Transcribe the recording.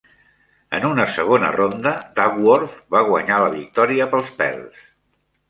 En una segona ronda, Dagworth va guanyar la victòria pels pèls.